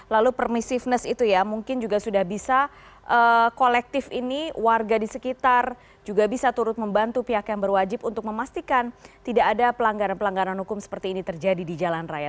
lalu permissiveness itu ya mungkin juga sudah bisa kolektif ini warga di sekitar juga bisa turut membantu pihak yang berwajib untuk memastikan tidak ada pelanggaran pelanggaran hukum seperti ini terjadi di jalan raya